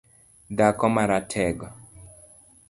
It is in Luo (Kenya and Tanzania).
Dhako maratego